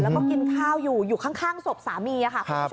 แล้วก็กินข้าวอยู่อยู่ข้างสบสามีอะค่ะ